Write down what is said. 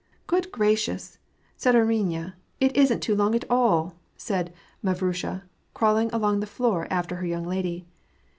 ^' Good gracious, sudaruinya, it isnt too long, at all," said Mavrusha, crawling along on the floor after her young lady.